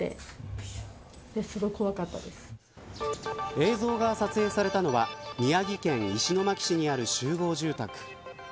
映像が撮影されたのは宮城県石巻市にある集合住宅。